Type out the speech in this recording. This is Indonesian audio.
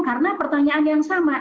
karena pertanyaan yang sama